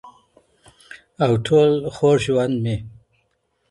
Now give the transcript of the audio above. او ټول خوږ ژوند مي